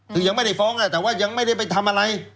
คือยังไม่ได้ฟ้องแต่ว่ายังไม่ได้ไปทำอะไร